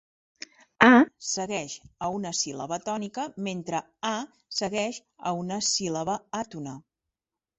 A segueix a una síl·laba tònica mentre a segueix a una síl·laba àtona.